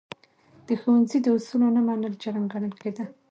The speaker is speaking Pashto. د ښوونځي د اصولو نه منل، جرم ګڼل کېده.